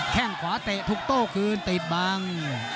แค่งขวาเตะทุกโต้คืนติดบัง